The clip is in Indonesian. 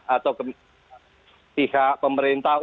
atau pihak pemerintah untuk mencari